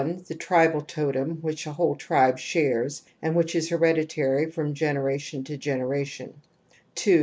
The tribal totem ^ hich a whole tribe )r I shares and which is hereditary from generation Ito generation, I 2.